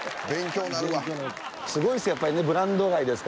すごいです